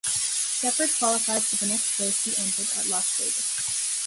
Shepherd qualified for the next race he entered at Las Vegas.